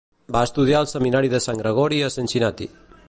Va estudiar al Seminari de Sant Gregori a Cincinnati.